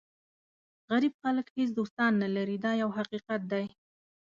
غریب خلک هېڅ دوستان نه لري دا یو حقیقت دی.